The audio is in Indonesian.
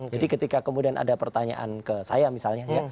jadi ketika kemudian ada pertanyaan ke saya misalnya